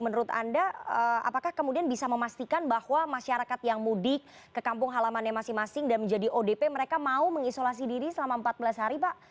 menurut anda apakah kemudian bisa memastikan bahwa masyarakat yang mudik ke kampung halamannya masing masing dan menjadi odp mereka mau mengisolasi diri selama empat belas hari pak